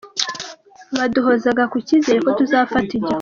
Baduhozaga ku cyizere ko tuzafata igihugu”.